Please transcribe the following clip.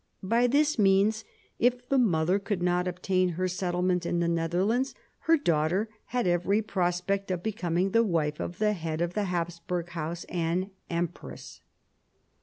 By this means, if the mother could not obtain her settlement in the Netherlands, her daughter had every prospect of becoming the wife of the head of the Hapsburg House and Empress.